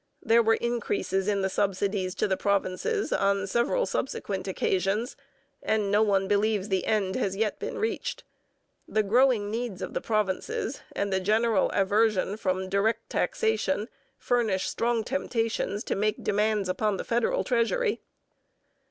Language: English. There were increases in the subsidies to the provinces on several subsequent occasions, and no one believes the end has yet been reached. The growing needs of the provinces and the general aversion from direct taxation furnish strong temptations to make demands upon the federal treasury.